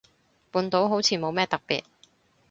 半島好似冇乜特別